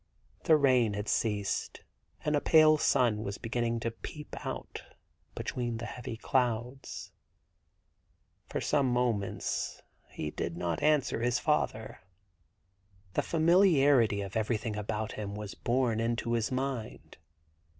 The rain had ceased and a pale sun was beginning to peep out between the heavy clouds. For some moments he did not answer his father. The familiarity of everything about him was borne into his mind.